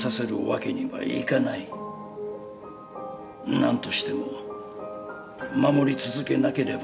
何としても守り続けなければならん。